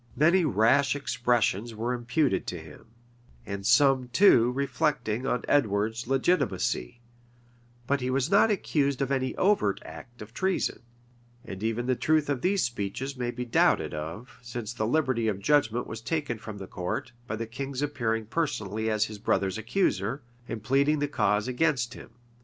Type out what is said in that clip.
Many rash expressions were imputed to him, and some, too, reflecting on Edward's legitimacy; but he was not accused of any overt act of treason; and even the truth of these speeches may be doubted of, since the liberty of judgment was taken from the court, by the king's appearing personally as his brother's accuser,[*] and pleading the cause against him.